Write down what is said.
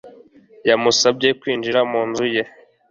yamusabye kwinjira mu nzu ye